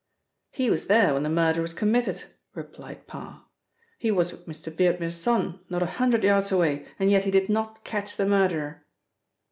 "He was there when the murder was committed," replied Parr. "He was with Mr. Beardmore's son, not a hundred yards away, and yet he did not catch the murderer."